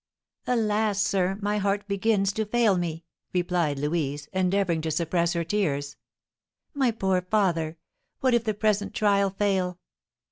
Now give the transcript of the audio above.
"Alas, sir, my heart begins to fail me!" replied Louise, endeavouring to suppress her tears. "My poor father! What if the present trial fail!"